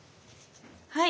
はい！